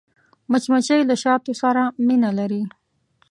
مچمچۍ له شاتو سره مینه لري